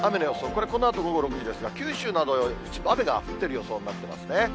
これ、このあと午後６時ですが、九州など、一部雨が降っている予想になってますね。